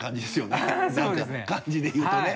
なんか感じで言うとね。